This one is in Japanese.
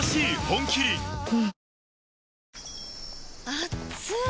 あっつい！